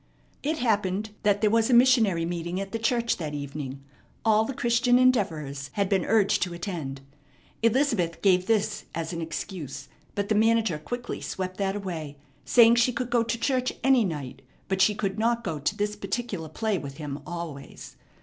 It happened that there was a missionary meeting at the church that evening. All the Christian Endeavorers had been urged to attend. Elizabeth gave this as an excuse; but the manager quickly swept that away, saying she could go to church any night, but she could not go to this particular play with him always.